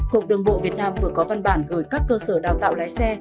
cục đường bộ việt nam vừa có văn bản gửi các cơ sở đào tạo lái xe